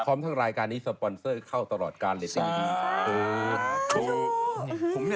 พร้อมทั้งรายการนี้สปอนเซอร์เข้าตลอดการเลยจริง